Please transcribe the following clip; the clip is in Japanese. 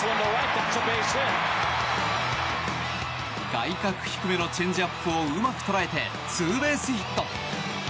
外角低めのチェンジアップをうまく捉えてツーベースヒット。